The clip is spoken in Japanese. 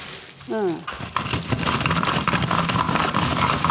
うん。